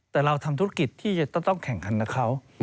แต่เราทำธุรกิจที่จะต้องแข่งขันกับเขา